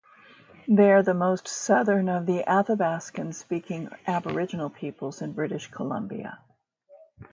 They are the most southern of the Athabaskan-speaking aboriginal peoples in British Columbia.